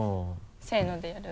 せのでやる？